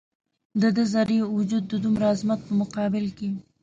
د ده ذرې وجود د دومره عظمت په مقابل کې.